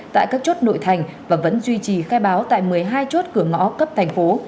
tại các chốt nội thành và vẫn duy trì khai báo tại một mươi hai chốt cửa ngõ cấp thành phố